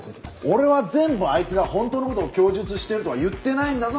俺は全部あいつが本当の事を供述してるとは言ってないんだぞ